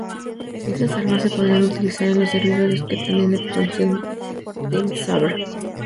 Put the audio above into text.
Esas armas se podrán utilizar en los servidores que tienen la expansión team sabre.